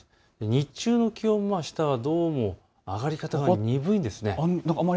日中の気温はあしたはどうも上がり方が鈍いんです。